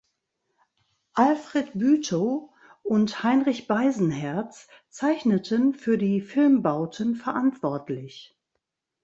Alfred Bütow und Heinrich Beisenherz zeichneten für die Filmbauten verantwortlich.